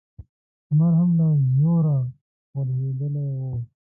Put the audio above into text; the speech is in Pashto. لمر هم له زوره غورځېدلی و.